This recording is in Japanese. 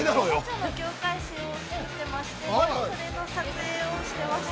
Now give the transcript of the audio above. ◆業界誌を作ってましてそれの撮影をしていました。